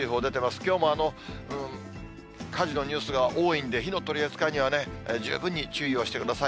きょうも火事のニュースが多いんで、火の取り扱いには十分に注意をしてください。